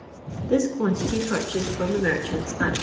This quantity purchased from the merchants at 14«.